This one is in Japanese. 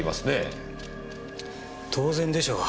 当然でしょう。